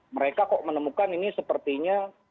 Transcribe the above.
mereka kok menemukan ini sepertinya